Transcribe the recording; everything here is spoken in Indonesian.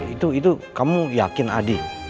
itu itu kamu yakin adik